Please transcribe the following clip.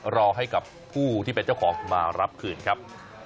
รอให้กับผู้ที่เป็นเจ้าของมารับคืนครับ